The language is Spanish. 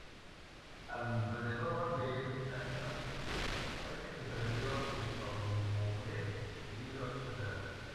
Alrededor de estos años parece que perdió sus favores debido a su edad.